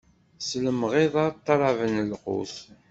S lemɣiḍa ṭṭalaben lqut.